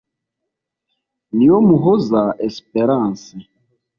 Niyomuhoza Esperance